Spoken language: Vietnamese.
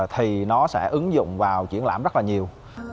thì nó sẽ ứng dụng vào triển lãm rất là nhiều